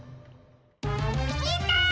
みんな！